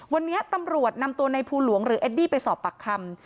วันนี้ตำรวจนำตัวในภูหลวงหรือเอดดี้ไปสอบปากคำ